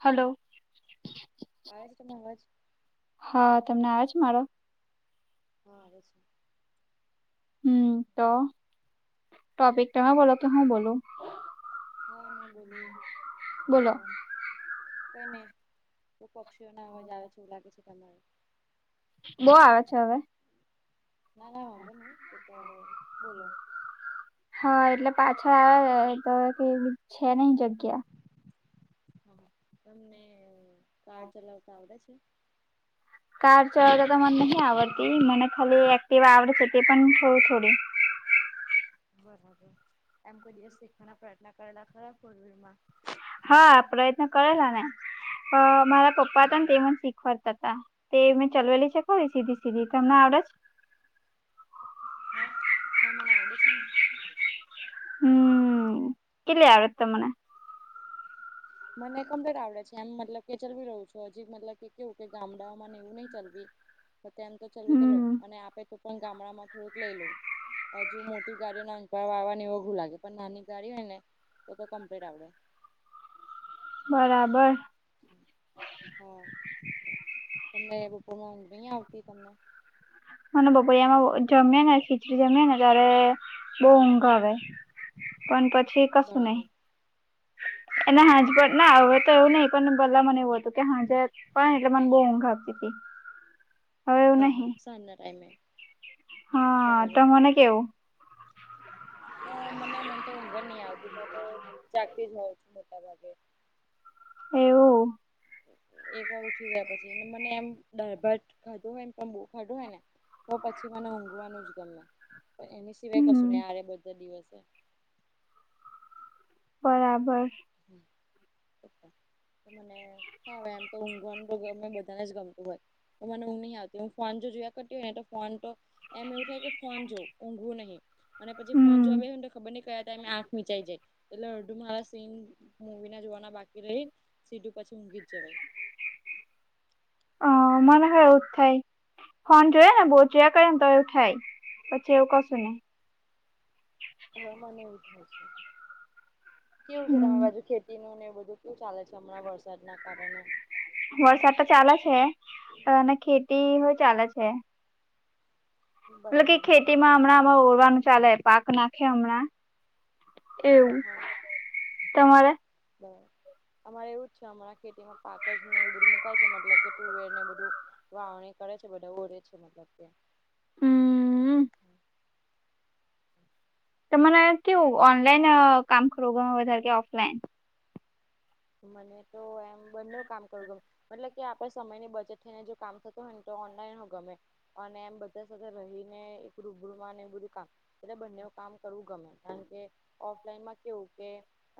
Hello. આવે છે તમને અવાજ હા તમને આવે છે મારો હા આવે છે હમ્મ તો ટોપિક તમે બોલો કે હું બોલું હા મેં બોલું અ બોલો કઈ નહી પક્ષીઓને અવાજ આવે છે એવું લાગે છે તમારે બો આવે છે હવે ના ના વાંધો નહી એ તો હવે બોલો હા એટલે પાછળ આવે તો કે છે ની જગ્યા. હા તમને કાર ચલાવતા આવડે છે? કાર ચલાવતાતો મને નહી આવડતી મને ખાલી એક્ટીવા આવડે છે પણ થોડી થોડી બરાબર એમ કોઈ દિવસ શીખવાના પ્રયત્ન કરેલા ખરા કોવિડમાં હા પ્રયત્ન કરેલા ને મારા પપ્પા તાને તે મને શીખવાડતા હતા. તે મેં ચલવેલી છે ખરી સીધી સીધી તમને આવડે છ હા હા મને આવડે છે ને. હમ્મ કેલી આવશ તમને મને કમ્લેટ આવડે છે એમ મતલબ કે ચલવી લવ છું હજી મતલબ કે કેવું કે ગામડાઓમાંને એવું નહીં ચલવી તો તેમ તો ચાલવી તો લવ હમ અને આપે તું પણ ગામડા માં થોડુંક લઈ લઉ. હજુ મોટી ગાડીઓ [unintelligible] ઓઘું લાગે પણ નાની ગાડી હોય ને તો તો ક્પ્લેટ આવડે. બરાબર. હા તમને બોપોરમાં નઈ આવતી તમને મને બપોરિયામાં જમે ને ખીચડી જમે ને ત્યારે બહુ ઊંઘ આવે પણ પછી કશું નહી. બરાબર એના હાજ પણ ના હવે તો એવું નઈ પણ પેલા મને એવું હતું કે હાજ પણ એટલે મને બહુ ઊંઘ આવતી હતી. હવે એવું હા હા નહી સાંજના ટાઈમે બરાબર કેવ હ મના મન તો ઊંઘે નહી આવતી મેં તો જાગતી જ હોઉં છું મોટા ભાગે એવું? એક વાર ઉઠી ગયા પછી મને એમ દાળ ભાત ખાધો હોય ને પણ બહુ ખાધો હોય ને તો પછી મને ઉઘવાનું જ ગમે પણ એની સિવાય કશું હમ ના આવે બધા દિવસે બરાબર હ તમને હા હવે એમ તો ઊઘવાનું તો ગમે બધાને જ ગમતું હોય. તો મને ઊંઘ નહી આવતી હું ફોન જોયા કરતી હોય ને તો ફોન તો એમ એવું થાય કે ફોન જો ઊંઘવું નહી અને પછી ફોન હમ જોવા બે ખબર નઈ કયા ટાઈમે આંખ મીચાઈ જાય એટલે અડધુ મારા સેમ મૂવી ના જોવાના બાકી રહી સીધું પછી ઊઘી જવાય. હ મને [inaudible] એવું થાય ફોન જોયા ને બહુ જોયા કરે ને તો એવું થાય પછી એવું કશું નઈ. હા મને એવું થાય છે કેવું છે તમાર હમ બાજુ ખેતી નું ને એવું બધું? શું ચાલે છે હમણાં વરસાદના કારણે? વરસાદ તો ચાલે છે અને ખેતી હોય ચાલે છે. મલ કે બરાબર. ખેતીમાં હમણાંમાં ઓરવાનું ચાલે પાક નાખે હમણાં એવું તમારે બરા અમારે એવું જ છે અમારા ખેતીમાં પાક જ ને એ બધું મુકાય છે મતલબ કે ટુવેર ને બધું વાવણી કરે છે બધા ઓડે છે મતલબ કે હમ તો મને કેવું ઓનલાઈન કામ [inaudible] વધારે કે ઓફલાઈન મને તો એમ બંને કામ કરું ગ મતલબ કે આપડે સમયની બચત થઈને જો કામ થતું હોય ને તો ઓનલાઈન હો ગમે અને એમ બધા સાથે રહીને એક રૂબરૂ અને બધું કામ એટલે બંને કામ કરવું ગમે કારણ કે ઓફલાઈનમાં કેવું કે?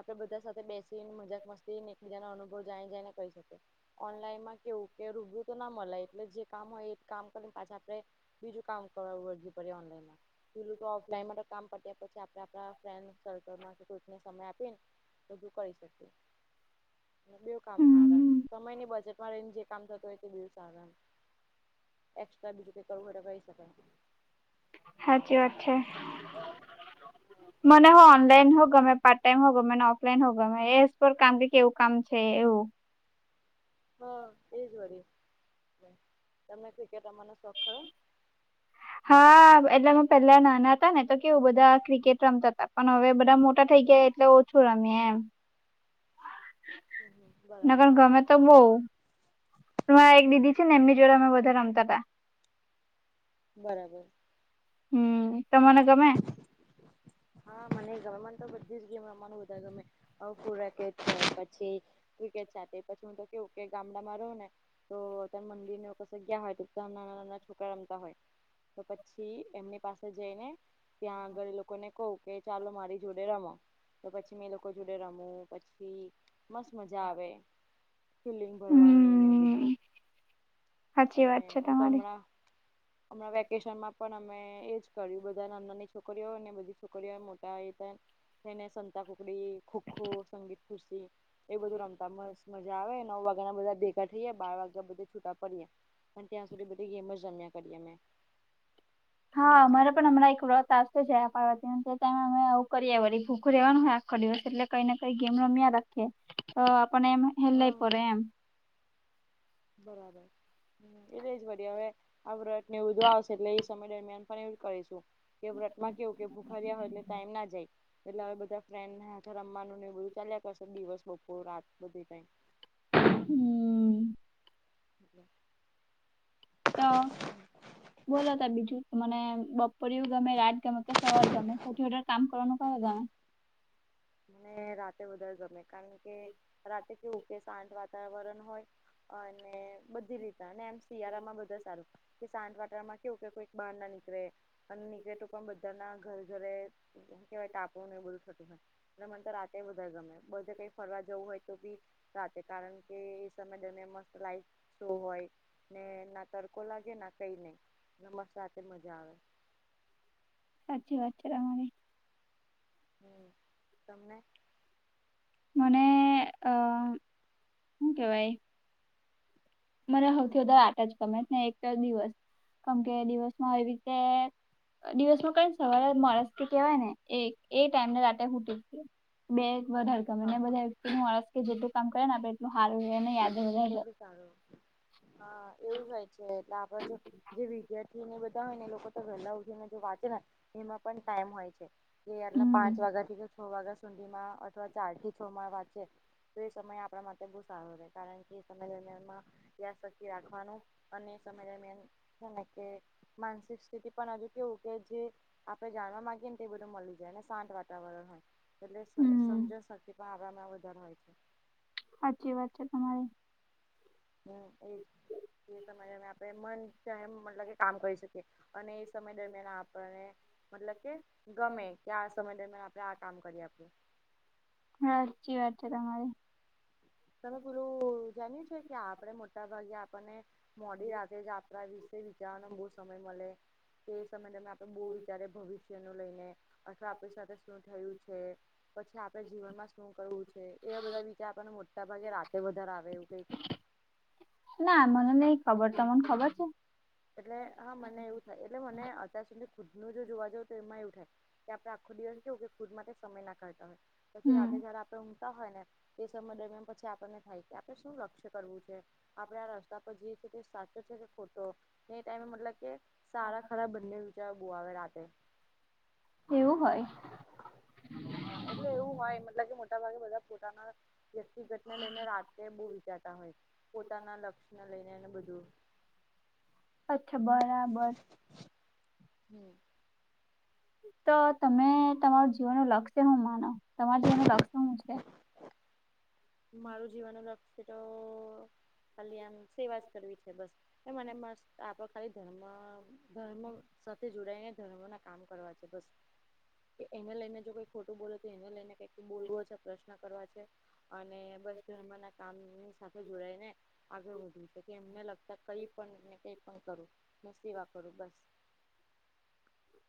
આપડે બધા સાથે બેસીને મજાક મસ્તી એક બીજા ન અનુભવ જાય જાય ને કહી શકીએ. ઓનલાઈનમાં કેવું કે રૂબરું તો ના મલાય એટલે જે કામ હોય એ કામ કરીને પાછા આપડે બીજું કામ કરવા વરજી પડે ઓનલાઈનમાં પેલું તો ઓફલાઈન માટે તો કામ પત્યા પછી આપણે આપ ફ્રેન્ડ સર્કલ ગ્રુપને સમય આપી ને બધું કરી શકીએ ‌. બેઉ કામ હારા હમ સમયની બજેટમાં રઈને જે કામ થતું હોય તે બઉ સારા. એક્સ્ટ્રા બીજું કઈ કરવું એ કહી શકાય. હાચી વાત છે. [inaudible] મને હો ઓનલાઈન હો ગમે પાર્ટ ટાઈમ હો ગમે ને ઓફલાઈન હો ગમે એ પર કામ કે કેવું કામ છે એવું? હા એજ વાડી તમને ક્રિકેટ રમવાનો શોખ ખરો? હા, એટલે હ, પેલા નાના હતા ને, તો કેવું બધા ક્રિકેટ રમતા હતા, પણ હવે બધા મોટા થઈ ગયા. એટલે ઓછું રમી એમ, બરાબર. નગર ગમે તો બહુ. હું એક દીદી છે ને, એમની જોડે અમે બધા રમતા હતા. બરાબર. હમ, તો મને ગમે હા, મને ગમે, મને તો બધી જ ગેમ રમવાનું બધા ગમે કે પછી. ક્રિકેટ સાથે પછી, હું તો કેવું કે, ગામડામાં રહું ને. તો તં મંદિર ને કસ ગયા હોય, તો ત્યાં નાના-નાના છોકરા રમતા હોય. તો પછી એમની પાસે જઈને, ત્યાં આગળ લોકોને ક કે ચાલો, મારી જોડે રમો, તો પછી મેં લોકો જોડે રમું પછી. મસ્ત, મજા આવે, ફીલિંગ ભરવાની ને બધું. હમ સાચી અને વાત છે હું ત તમારી હમણાં. હમણાં વેકેશન માં પણ અમે એજ કર્યું, બધા ના નાની છોકરીઓ અને બધી છોકરીઓ મોટા એ તેને સંતાકુકડી, ખોખો, સંગીત, ખુરશી એ બધું રમતા મસ્ત મજા આવે, નવ વાગ્યાના બધા ભેગા થઈ, બાર વાગ્યા બધા છૂટા પ પણ ત્યાં સુધી બધી ગેમ જ જમ્યા કરીએ, અ મેં હા, અમારે પણ હમણાં એક વ હતા. જ પવામે અમે આવ કરીએ વળી, ભૂખ રહેેવાનું હોય, આખો દિવસ એટલે કઈને કઈ ગેમ રમ્યા રાખીએ. તો આપપણે એમ હલે આવે પર એમ. બરાબર, એટલે જ પડી, હવે આટ ને એવું આવશે, એટલે. સમય દરમિયાન પણ એવું કરીશું કે, વ્રતમાં કેવું કે, ભૂખર્યા હોય, એટલે ટાઈમ ના જાય. એટલે હવે બધા ફ્રેન્ડને હથે રમવાનું ને, એ બધું ચાલ્યા કરશે, દિવસ બપોર રાત બધી ટાઈમ. હમ ઓ. તો બોલો, ત બીજું મને બપોરું ગમે રાત. સવાર ગમે, કામ કરવાનું ક ગમે. ને રાતે વધારે ગમે, કારણ કે રાતે કેુંકે શાંત વાતાવરણ હોય. અને બધી લીધા અને એમ શિયાળામાં બધા સારું. કે શાંત વાતાવરણમાં કેવું કે, કોઈક બહાર ના નીકળે, અને નીકળે તો, પણ બધાના ઘર ઘરે કેહેવાય તાપું ન બોલ, થોતું હોય. અતર રાતે બધા ગમે, બધે કઈ ફરવા જવું હોય, તો બી સાથે કારણ કે, એ સમય દરિયા મસ્ત લાઈક શો હોય. ને ના, તડકો લાગે ના, કઈ નઈ મ મજા આવે. સાચી વાત છે તમારી. હમ, તમને મને અ શું કેવાય. મને સૌથી વધારે આટ જ ગમેને, એક દિવસ કેમકે દિવસમાં એ રીતે દિવસમાં ક સવારે માણસ કે કેવાય ને, એ ટાઈમને રાતે ફટી. બે વધારે કામને હા બધા હા વ્યક્તિનું આળસ કે, જેટલું કામ કરે ને, આપણે એટલું હાર અને યાદ વધારે એટલું હા, એવું થયું છે, એટલે આપ જો જે વિદ્યાર્થીને બધા હોય ને, એ લોકો તો વહેલા ઉઠી ને, વાંચે ને, એમાં પણ ટાઈમ હોય છે. કેયારલા હમ પાંચ વાગ્યાથી. છ વાગ્યા સુધીમાં અથવા ઝાડથી છોડ માં વાંચે તો, એ સમય આપણા માટે બહુ સારો રહે, કારણ કે એ સમય દરમિયાનમાં ત્યા રાખી રાખવાનું, અને સમય દરમિયાન માનસિક સ્થિતિ પણ હજુ કેવું કે જે આપડે જાણવા માંગીએ ને, તે એ બધું મળી જાય ને, શાંત વાતાવરણ હોય. પલે હમ સમજો શકતી, પણમાં ઉધર હોય છે. સાચી વાત છે તમારી. હમ, એ સમજ આપણે મન છે, એ મતલબ કે કામ કરી શકીએ. અને એ સમય દરમિયાન આપણને મતલબ કે ગમે. ત્યા આ સમય દરમિયાન આપડે આ કામ કરીએ આપે. હા સાચી વાત છે તમારી. તમે પેલું જાણીયું છે કે આપડે મોટા ભાગે આપણને મોડી રાતે જ આપવા દશે તે વિચારવાનો બહું સમય મળે તો એ સમય તમે આપે બહું વિચારે ભવિષ્યનું લઈને. અથવા આપણી સાથે શું થયું છે. પછી આપે જીવનમાં શું કરવું છે એવા બધા વિચાર આપણને મોટા ભાગે રાતે વધારે આવે એવું કઈક ના મને નઈ ખબર તમને ખબર છે. એટલે હા મને એવું થાય એટલે મને અત્યાર સુધી ખુદનું જો જોવા જાવ તો એમાં એવું થાય. કે આપણે આખો દિવસ કેવું કે ખુદ માટે સમય ના કઢતા હોય. પછી રાતે હમ જારે આપડે હોય ને તે સમય દરમિયાન પછી આપણને થાય કે આપણેે શું લક્ષ્ય કરવું છે. આપડે આ રસ્તા પર જઈએ છીએ તે સાચો છે કે ખોટો. તે ટાઈમે મતલબ કે સારા ખરાબ બંને વિચાર બોવાવે રાતે. એવું હોય. હા એટલે એવું હોય, મતલબ કે મોટા ભાગે બધા પોતાના વ્યક્તિગતને લઈને રાતે બહું વિચારતા હોય પોતાના લક્ષ્યને લઈને એને બધું. અચ્છા બરાબર. હમ. તો તમે તમારું જીવનનું લક્ષ્ય શું માનો? તમાર જીવનનું લક્ષ્ય શું છે? મારું જીવન લક્ષ્ય તો ખાલી આમ સેવા જ કરવી છે બસ. એ મને મસ્ત આપે ખાલી ધર્મ ધર્મ સાથે જોડાયને ધર્મ ના કામ કરવા છે. બસ કે એને લઈને જો કઈ ખોટો બોલે તો એને લઈને કઈક બોલવો છે પ્રશ્ન કરવા છે, અને બસ ધર્મ ના કામનું સાથે જોડાઈ ને આગળ વધવું છે, કે એમને લગતા કઈ પણ ને કઈ પણ કરું. મસ્ત સેવા કરું બસ.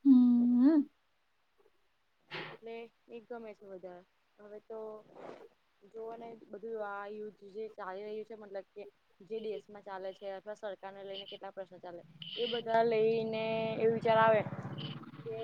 હમ. એટલે એ ગમે છે વધારે. હવે તો જોઓને બધું આ યુધ્ધ જે ચાલી રહ્યું છે મતલબ કે જે દેશ માં ચાલે છે, અથવા સરકારને લઈને કેટલા પ્રશ્ન ચાલે છે. એ બધા લઈને એ વિચાર આવે કે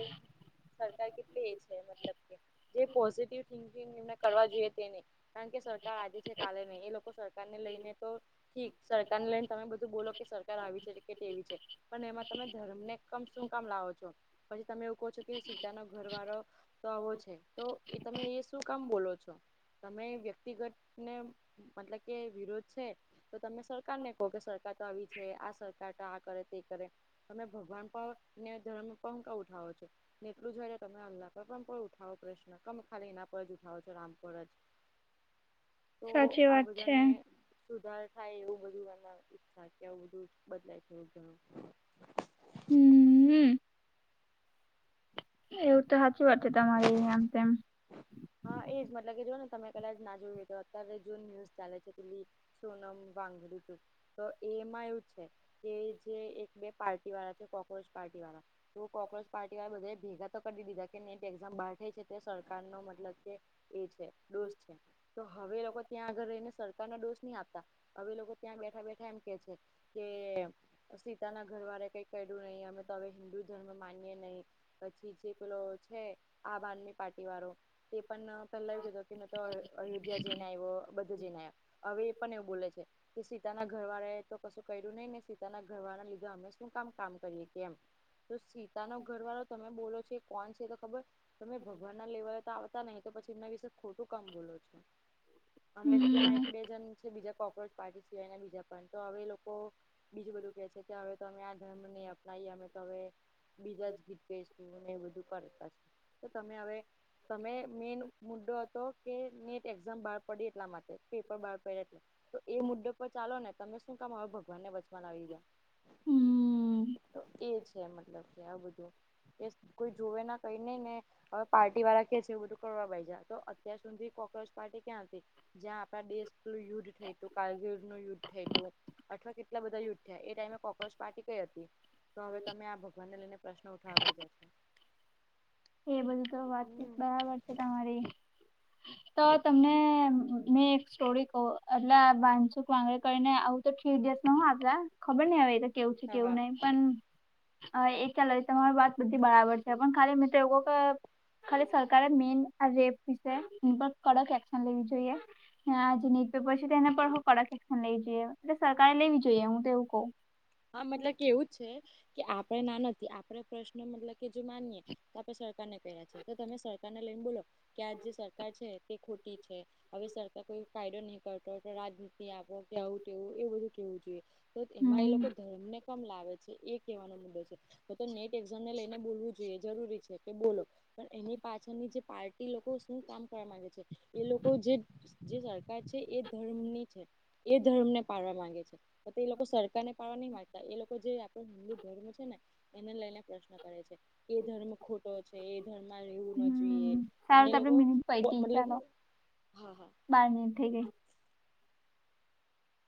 સરકાર કે મતલબ કે જે પોઝિટિવ થિકિંગ એ કરવા જોઈએ તે નહીં. કારણ કે સરકાર આજે છે કાલે ન એ લોકો સરકાર ને લઈને તો ઠીક સરકાર ને લઈને તમે બધું બોલો કે સરકાર આવી છે કે તેવી છે. પણ એમાં તમે ધર્મને કમ શું કામ લાવો છો, પછી તમે એવું કહો છો કે સીતાનો ઘર વાળો તો આવો છે. તો એ તમે એ શું કામ બોલો છો. તમે વ્યક્તિગત ને મતલબ કે વિરોધ છે તો તમે સરકાર ને કહો કે સરકાર તો આવી છે આ સરકાર તો આ કરે તે કરે તમે ભગવાન પણ ને ધર્મ [unintelligible] ઉઠાવો છો ને એટલું [unintelligible] તમે અલ્લાહ પણ કોઈ ઉઠાવો પ્રશ્ન કમે ખાલી એના પર જ ઉઠાવો છો રામ પર જ. તો સાચી આ વાત છે બધાને સુધાર થાય એવું બધું એના ઈચ્છા કે આવું બધું બદલાય [unintelligible] હમ. એવું તો સાચી વાત છે તમારી આમ તેમ. હા એ જ મતલબ કે જો ને તમે કદાચ ના જોયું તો અત્યારે જો ન્યુઝ ચાલે છે પેલી સોનમ વાગડું તો તો એમાં એવું છે કે જે એક બે પાર્ટી વાળા છે કોક્રોચ પાર્ટી વાળા તો કોક્રોચ પાર્ટી વાળ બધા ભેગા તો કરી દીધા કે નેટ એક્ઝામ બહાર થઈ છે તે સરકાર નો એ છે દોસ્ત છે તો હવે લોકો ત્યાં આગળ રહીને સર ના દોષ નહી આપતા હવે લોકો ત્યાં બેઠા બેઠા એમ કે છે કે સીતાના ઘરવાળે કઈ ક્યું નહીં, અમે તો હવે હિન્દુ ધર્મ માનીએે નહીં પછી જે પેલો છે આમ આદમી પાર્ટી વાળો તે પણ પહેલા એવું કેતો અયોધ્યા જેઈને આયો તો છે હવે એ પન એવું બોલે છે. કે સીતાના ઘરવાળા એ તો કશું કર્યું નહીને, સીતાના ઘરવાળાના લીધે અમે શું કામ કામ કરીએ કે એમ. તો સીતા નો ઘર વાળો તમે બોલો છોએ કોણ છે તો ખબર તમે ભગવન ના લેવલ તો, આવ તા નહી તો પછી એમના વિશે ખોટું કામ બોલો છો. અને ત્યાં હમ એક બે જણ છે બીજા કોક્રોચ પાર્ટી સિવાયના બીજા પન તો હવે લોકો બીજું બધું કે છે કે હવે તો અમે આ ધર્મને અપનાઈએ અમે તો હવે બીજા જ ગીત કેશુંનું ને એવું બધું કરે પાછ તો તમે હવે તમે મેઇન મુદ્દો હતો કે નેટ એક્ઝામ બહાર પડી એટલા માટ પેપર બાર પયા એટલે તો એ મુદ્દે પર ચાલો ને તમે શું કામો આવ ભગવાન ને વચમાં લાવી રયા. હમ તો એ છે મતલબ કે આ બધું. કેશ કોઈ જોવે ના કઈ નઈ ને હવે પાર્ટી વાળા કેશ એવું બધું કરવા બાઈ જાય તો અત્યાર સુધી કોક્રચ પાર્ટી ક્યાં હતી. જ્યાં આપણા દેશનું યુદ્ધ થય હતું કારગીલ નું યુદ્ધ થય તું. અથવા કેટલા બધા યુદ્ધ થયા એ ટાઈમે કોક્રોચ પાર્ટ કઈ હતી. તો હવે તમે આ ભગવાનને લઈને પ્રશ્ન ઉઠાવા બેહી ગ્યા છો. એ બધું તો વાતચીત હમ બરાબર છે તમારી તો તમને મેં એક સ્ટોરી કહ એટલે બાનસુક વાગડે કરીને આવું તો થીડયત હું આપલા ખબર નહ હવે કેવું છે હા હા કેવું નહી પન અ એ ખ્યાલય તમારી વાત બધી બરાબર છે પણ ખાલી મિત્રો એવો પ ખાલી સરકારે મેન આ રેપ વિશે એની પર કડક એક્શન લેવી જોઈએ. હા આજે ન્યુઝ પેપર છે તે એના પર કડક એક્શન લઈ જોઈએ એટલે સરકારે લેવી જોઈએ હું તો એવું કઉ. હા મતલબ કે એવું જ છે કે આપડે ના નથી આપડે પ્રશ્ન મતલબ કે જો માનીએ આપણે સરકારને ક્યા છે તો તમે સરકાર ને લઈને બોલો કે આ જે સરકાર છે તે ખોટી છે હવે સરકાર કોઈ કાયદો નહી કરતો કે રાજનીતિ આપો કે આવું તેવું એ બધું કેવું જોઈએ. તો એમાં એ લોકો હમ ધર્મ ને કમ લાવે છે એ કહેવાનો મુદ્દો છે. તો તો નેટ એક્ઝામ ને લઈને બોલવું જોઈએ જરૂરી છે કે બોલો. પણ એની પાછળની જે પાર્ટી લોકો શું કામ કરવા માંગે છે એ લોકો જે જે સરકાર છે એ ધર્મ ની છે. એ ધર્મ ને પાડવા માંગે છે તો એ લોકો સરકારને [unintelligible] નહી માગતા એ લોકો જે આપ હિન્દુ ધર્મ છે ને એને લઈને પ્રશ્ન કરે છે. એ ધર્મ ખોટો છે એ ધર્મમાં રહેેવું ના જોઈએ હમ અને સારું એ તો આપડે લોકો મિનિટ મતલબ કે હા હા. મારની થઈ ગયી.